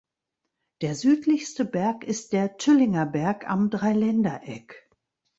Der südlichste Berg ist der Tüllinger Berg am Dreiländereck.